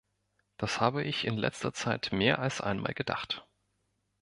Das habe ich in letzter Zeit mehr als einmal gedacht.